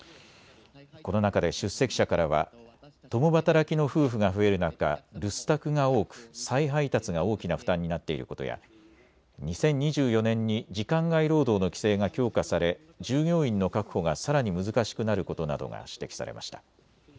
この中で出席者からは共働きの夫婦が増える中、留守宅が多く再配達が大きな負担になっていることや２０２４年に時間外労働の規制が強化され、従業員の確保がさらに難しくなることなどが指摘されました。